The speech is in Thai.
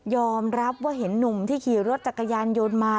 ยอมรับว่าเห็นนุ่มที่ขี่รถจากกระยานโยนมา